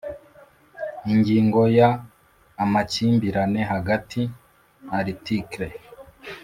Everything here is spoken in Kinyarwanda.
Ingingo ya Amakimbirane hagati Article